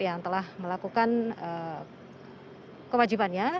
yang telah melakukan kewajibannya